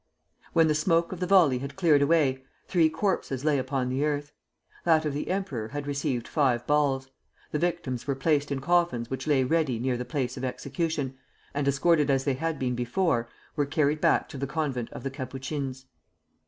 When the smoke of the volley had cleared away, three corpses lay upon the earth. That of the emperor had received five balls. The victims were placed in coffins which lay ready near the place of execution, and, escorted as they had been before, were carried back to the convent of the Capuchins.